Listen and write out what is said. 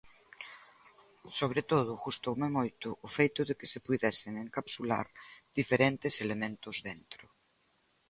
Sobre todo, gustoume moito o feito de que se puidesen encapsular diferentes elementos dentro.